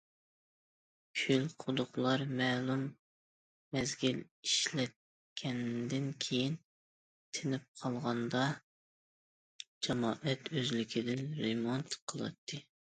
كۆل، قۇدۇقلار مەلۇم مەزگىل ئىشلەتكەندىن كېيىن تىنىپ قالغاندا، جامائەت ئۆزلۈكىدىن رېمونت قىلاتتى.